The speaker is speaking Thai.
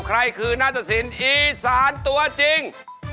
ใครคือนาตสินอีสานตัวจริง